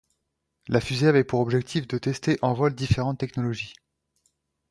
La fusée avait pour objectif de tester en vol différentes technologies.